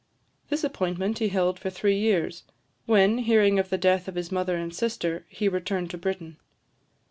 This appointment he held for three years, when, hearing of the death of his mother and sister, he returned to Britain.